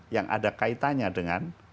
yang ada kaitannya dengan